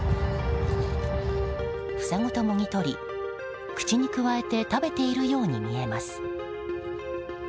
房ごともぎ取り、口にくわえて食べているように見えます。